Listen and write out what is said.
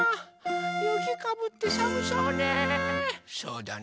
ゆきかぶってさむそうね。